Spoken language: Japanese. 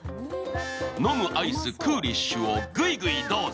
飲むアイス、クーリッシュをぐいぐいどーぞ！